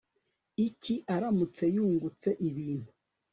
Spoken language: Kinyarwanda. iki aramutse yungutse ibintu